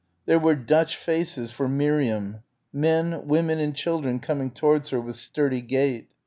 There were Dutch faces for Miriam men, women and children coming towards her with sturdy gait.